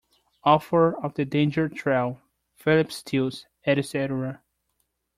Author of the danger trail, Philip Steels, etc.